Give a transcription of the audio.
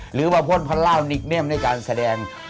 หรือว่าโพศพระราชนิคเนียมในการแสดง